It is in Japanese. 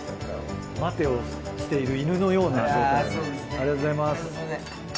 ありがとうございます。